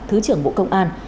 thứ trưởng bộ công an